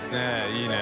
いいね。